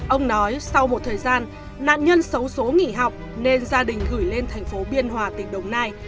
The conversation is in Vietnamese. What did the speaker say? ông nói sau một thời gian nạn nhân xấu xố nghỉ học nên gia đình gửi lên thành phố biên hòa tỉnh đồng nai